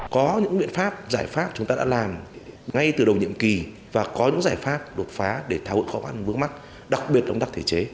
có những biện pháp giải pháp chúng ta đã làm ngay từ đầu nhiệm kỳ và có những giải pháp đột phá để tháo hội khó khăn vướng mắt đặc biệt công tác thể chế